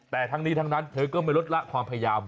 แต่ทั้งนี้ทั้งนั้นเธอก็ไม่ลดละความพยายาม